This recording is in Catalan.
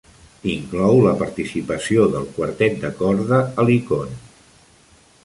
Inclou la participació del quartet de corda Helicon.